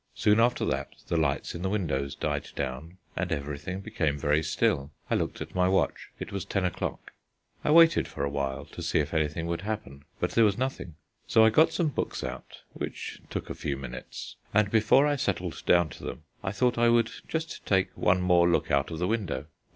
Soon after that the lights in the windows died down and everything became very still. I looked at my watch. It was ten o'clock. I waited for a while to see if anything would happen, but there was nothing; so I got some books out (which took a few minutes) and before I settled down to them I thought I would just take one more look out of the window.